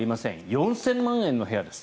４０００万円の部屋です。